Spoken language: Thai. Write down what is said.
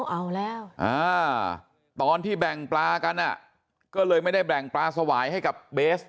เอาแล้วตอนที่แบ่งปลากันก็เลยไม่ได้แบ่งปลาสวายให้กับเบส